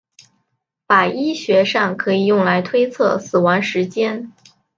法医学上可以用来推测死亡时间。